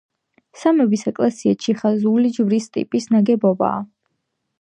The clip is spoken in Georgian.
სამების ეკლესია „ჩახაზული ჯვრის ტიპის“ ნაგებობაა.